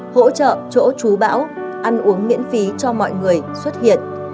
hỗ trợ chỗ trú bão ăn uống miễn phí cho mọi người xuất hiện